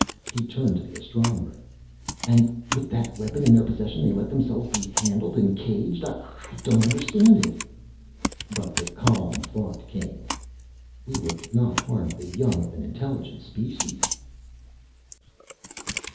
He turned to the Astronomer. "And with that weapon in their possession they let themselves be handled and caged? I don't understand it." But the calm thought came, "We would not harm the young of an intelligent species."